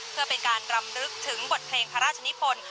เพื่อเป็นการรำลึกถึงบทเพลงพระราชนิพล